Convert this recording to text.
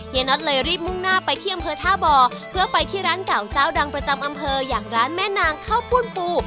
น็อตเลยรีบมุ่งหน้าไปที่อำเภอท่าบ่อเพื่อไปที่ร้านเก่าเจ้าดังประจำอำเภออย่างร้านแม่นางข้าวปุ้นปู